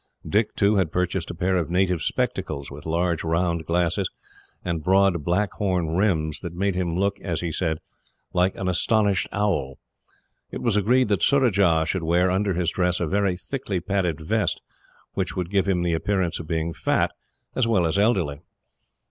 Dick, too, had purchased a pair of native spectacles, with large round glasses and broad black horn rims, that made him look, as he said, like an astonished owl. It was agreed that Surajah should wear, under his dress, a very thickly padded vest, which would give him the appearance of being fat, as well as elderly.